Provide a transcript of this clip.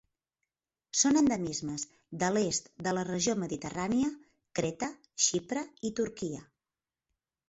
Són endemismes de l'est de la regió mediterrània Creta, Xipre i Turquia.